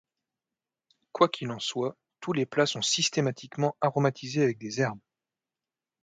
Quoi qu'il en soit, tous les plats sont systématiquement aromatisés avec des herbes.